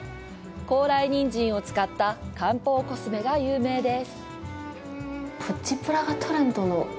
高麗人参を使った“韓方コスメ”が有名です。